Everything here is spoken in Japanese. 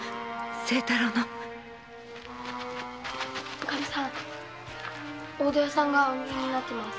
おカミさん大戸屋さんがおみえになってます。